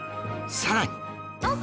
さらに